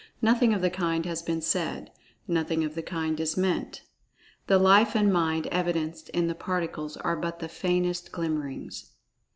Nothing of the kind has been said—nothing of the kind is meant. The Life and Mind evidenced in the Particles are but the faintest glimmerings.